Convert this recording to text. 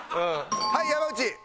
はい山内。